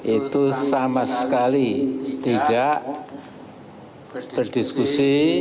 itu sama sekali tidak berdiskusi